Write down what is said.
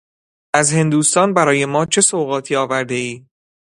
از هندوستان برای ما چه سوغاتی آورده ای؟